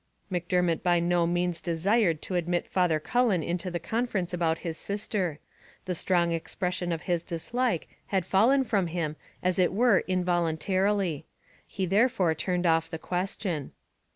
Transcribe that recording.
Macdermot by no means desired to admit Father Cullen into the conference about his sister; the strong expression of his dislike had fallen from him as it were involuntarily: he therefore turned off the question.